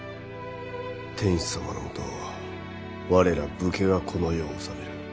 天子様のもと我ら武家がこの世を治める。